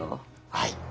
はい。